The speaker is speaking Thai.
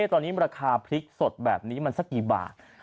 ตอนนี้ราคาพริกสดแบบนี้มันสักกี่บาท